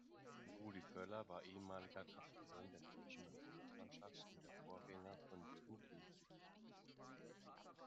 Rudi Völler war ehemaliger Kapitän der deutschen Nationalmannschaft und der Vorgänger von Jürgen Klinsmann.